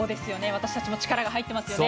私たちも力が入ってますよね。